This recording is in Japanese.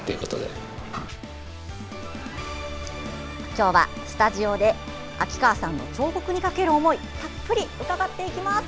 今日はスタジオで秋川さんの彫刻にかける思いたっぷり伺っていきます。